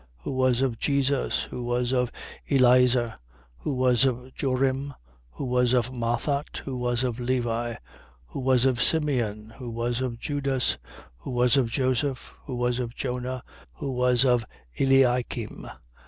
Who was of Jesus, who was of Eliezer, who was of Jorim, who was of Mathat, who was of Levi, 3:30. Who was of Simeon, who was of Judas, who was of Joseph, who was of Jona, who was of Eliakim, 3:31.